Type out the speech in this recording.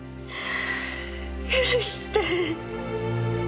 許して！